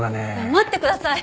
待ってください。